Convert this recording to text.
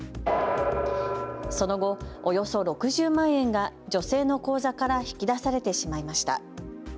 その後、およそ６０万円が女性の口座から引き出されてしまいました。